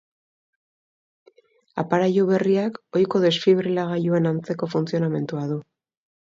Aparailu berriak ohiko desfibrilagailuen antzeko funtzionamendua du.